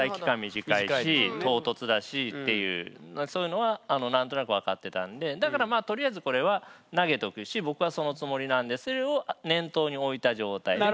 短いし唐突だしっていうそういうのは何となく分かってたんでだからまあとりあえずこれは投げとくし僕はそのつもりなんでそれを念頭に置いた状態で。